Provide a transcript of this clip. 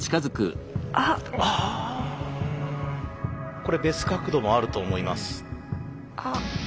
これ別角度もあると思います。